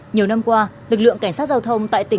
nhiều năm qua lực lượng cảnh sát giao thông tại tỉnh